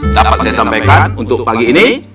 dapat saya sampaikan untuk pagi ini